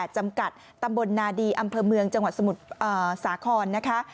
จำกัดตำบลนาดีอำเภอเมืองจังหวัดสมุทรสาครนะคะ